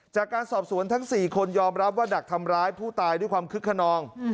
จากการสอบสวนทั้ง๔คนยอมรับว่าดักทำร้ายผู้ตายด้วยความคึกขนอง